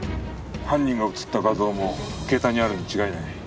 犯人が写った画像も携帯にあるに違いない。